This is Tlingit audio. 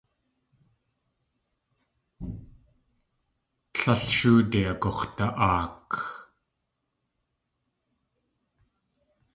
Tlél shóode agux̲da.aak.